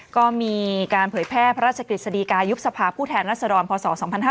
ก็มีการเผยแพร่พระราชกฤษฎีกายุบสภาพผู้แทนรัศดรพศ๒๕๕๙